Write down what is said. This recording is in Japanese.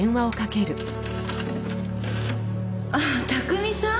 ああ巧さん？